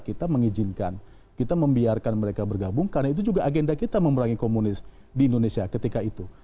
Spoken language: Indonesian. kita mengizinkan kita membiarkan mereka bergabung karena itu juga agenda kita memerangi komunis di indonesia ketika itu